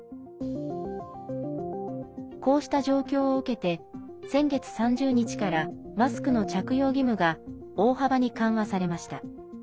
こうした状況を受けて先月３０日からマスクの着用義務が大幅に緩和されました。